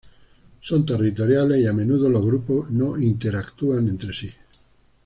Son territoriales y a menudo los grupos no interactúan entre sí.